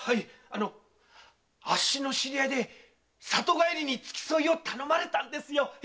あのあっしの知り合いで里帰りに付き添いを頼まれたんですよ。